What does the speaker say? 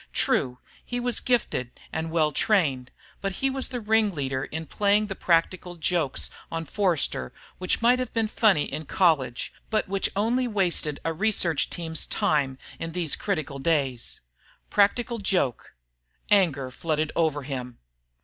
True, he was gifted and well trained, but he was a ringleader in playing the practical jokes on Forster which might have been funny in college, but which only wasted a research team's time in these critical days. Practical joke. Anger flooded over him.